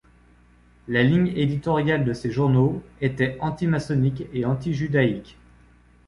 La ligne éditoriale de ces journaux était antimaçonnique et antijudaïque.